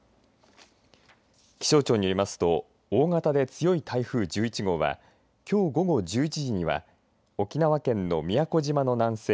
気象庁によりますと大型で強い台風１１号はきょう午後１１時には沖縄県の宮古島の南西